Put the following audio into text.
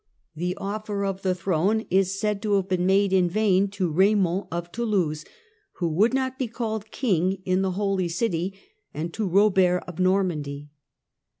The offer of the throne is Jerusalem, 1099 1100 said to have been made in vain to Eaymond of Toulouse, who would not be called king in the Holy City, and to Eobert of Normandy.